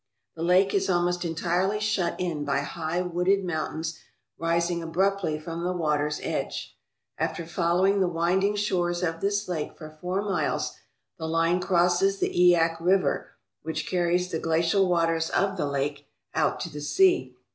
The lake is almost entirely shut in by high wooded mountains rising abruptly from the water's edge. After following the winding shores of this lake for four miles, the line crosses the Eyak River, which carries the glacial waters of the lake out to the sea.